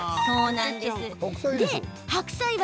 そうなんです。